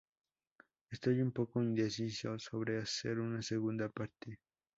Estoy un poco indeciso sobre hacer una segunda parte.